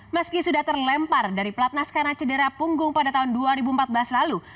meski sudah terlempar dari platnas karena cedera punggung pada tahun dua ribu empat belas lalu